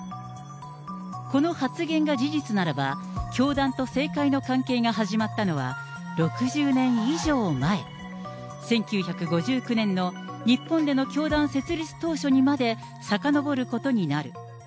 この発言が事実ならば、教団と政界の関係が始まったのは６０年以上前、１９５９年の日本での教団設立当初にまでさかのぼることになる。